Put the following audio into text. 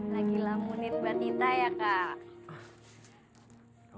lagi lamunin mbak tita ya kak